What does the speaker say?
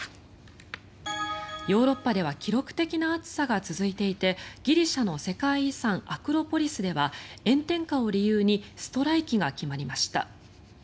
ヨーロッパでは記録的な暑さが続いていてギリシャの世界遺産アクロポリスでは炎天下を理由にストライキが決まりました。